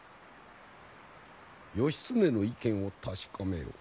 義経の意見を確かめよ。